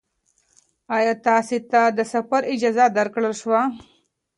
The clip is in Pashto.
ایا تاسې ته د سفر اجازه درکړل شوه؟